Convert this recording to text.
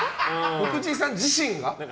福地さん自身が？